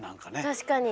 確かに。